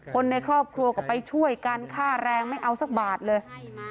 คนในครอบครัวก็ไปช่วยกันค่าแรงไม่เอาสักบาทเลย